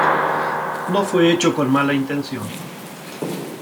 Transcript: No fue hecho con mala intención.